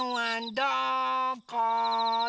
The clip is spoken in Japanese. どこだ？